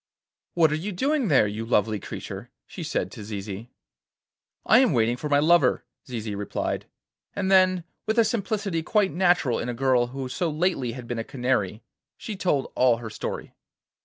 'What are you doing there, you lovely creature?' she said to Zizi. 'I am waiting for my lover,' Zizi replied; and then, with a simplicity quite natural in a girl who so lately had been a canary, she told all her story.